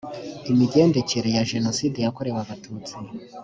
imigendekere ya jenoside yakorewe abatutsi